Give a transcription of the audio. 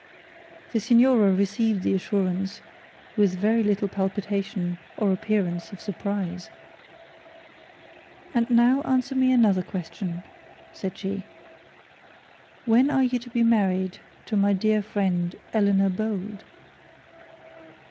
The signora received the assurance with very little palpitations or appearance of surprise. 'And now answer me another question,' said she; 'when are you to be married to Eleanor Bold?'